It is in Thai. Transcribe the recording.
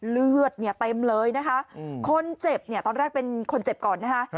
เลือดเนี่ยเต็มเลยนะคะคนเจ็บเนี่ยตอนแรกเป็นคนเจ็บก่อนนะคะ